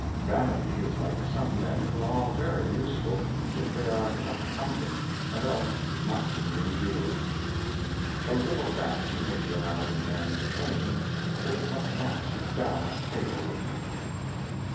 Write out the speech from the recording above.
Vanity is like some Men who are very useful, if they are kept under ; and else not to be endured. A little Vanity may be allowed in a Man's Train, but it must not sit down at Table with him.